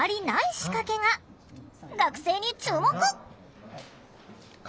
学生に注目！